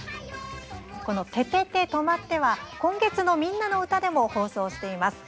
「ててて！とまって！」は今月の「みんなのうた」でも放送しています。